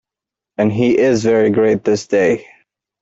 And he is very great this day.